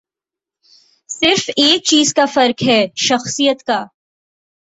صرف ایک چیز کا فرق ہے، شخصیت کا۔